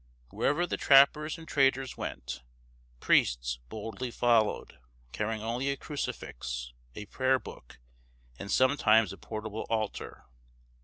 Wherever the trappers and traders went, priests boldly followed, carrying only a crucifix, a prayer book, and sometimes a portable altar.